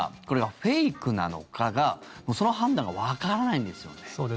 これがフェイクなのかがその判断がわからないんですね。